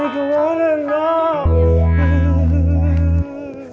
tadi kemana nak